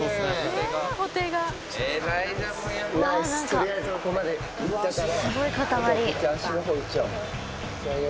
取りあえずここまでいったから。